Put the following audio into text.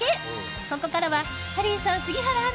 ここからはハリーさん、杉原アナ